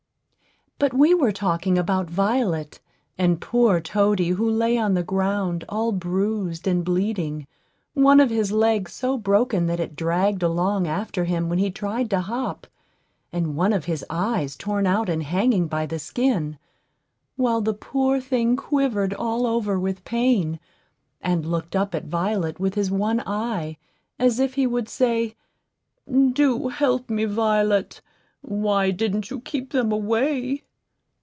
But we were talking about Violet and poor Toady, who lay on the ground all bruised and bleeding, one of his legs so broken that it dragged along after him when he tried to hop, and one of his eyes torn out and hanging by the skin; while the poor thing quivered all over with pain, and looked up at Violet with his one eye, as if he would say, "Do help me, Violet. Why didn't you keep them away?"